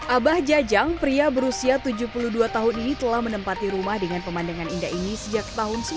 abah jajang pria berusia tujuh puluh dua tahun ini telah menempati rumah dengan pemandangan indah ini sejak tahun seribu sembilan ratus sembilan puluh